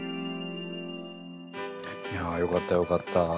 いやよかったよかった。